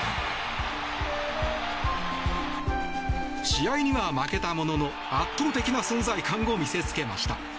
試合には負けたものの圧倒的な存在感を見せつけました。